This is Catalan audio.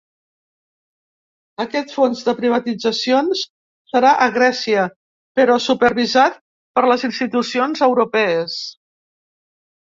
Aquest fons de privatitzacions serà a Grècia, però supervisat per les institucions europees.